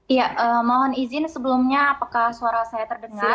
iya mohon izin sebelumnya apakah suara saya terdengar